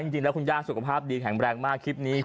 จริงแล้วคุณย่าสุขภาพดีแข็งแรงมากคลิปนี้